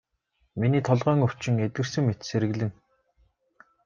Миний толгойн өвчин эдгэрсэн мэт сэргэлэн.